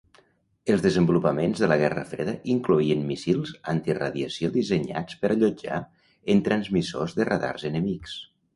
Els desenvolupaments de la Guerra Freda incloïen míssils antiradiació dissenyats per allotjar en transmissors de radar enemics.